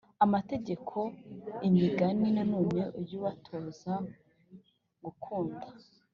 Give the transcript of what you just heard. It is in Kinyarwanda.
Amategeko imigani nanone ujye ubatoza gukunda